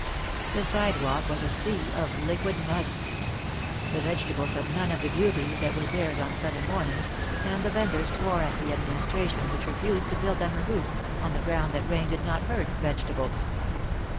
The sidewalk was a sea of liquid mud. The vegetables had none of the beauty that was theirs on sunny mornings, and the vendors swore at the Administration, which refused to build them a roof^ on the ground that rain did not hurt vegetables.